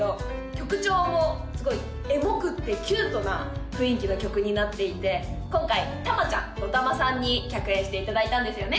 曲調もすごいエモくってキュートな雰囲気の曲になっていて今回たまちゃんＤＯＴＡＭＡさんに客演していただいたんですよね？